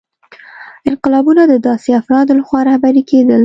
انقلابونه د داسې افرادو لخوا رهبري کېدل.